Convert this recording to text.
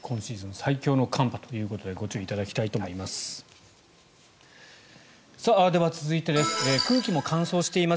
最強の寒波ということでご注意いただきたいと思います。